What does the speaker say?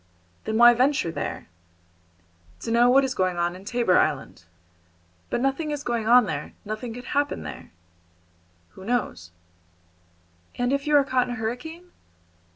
"Then why venture there?" "To know what is going on in Tabor Island." "But nothing is going on there; nothing could happen there." "Who knows?" "And if you are caught in a hurricane?"